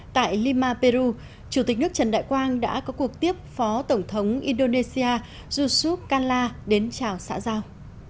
tại lima peru chủ tịch nước trần đại quang đã có cuộc tiếp phó tổng thống indonesia youchu kallah đến chào xã giao